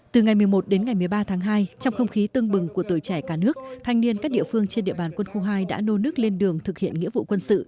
từ ngày một mươi một đến ngày một mươi ba tháng hai trong không khí tưng bừng của tuổi trẻ cả nước thanh niên các địa phương trên địa bàn quân khu hai đã nô nước lên đường thực hiện nghĩa vụ quân sự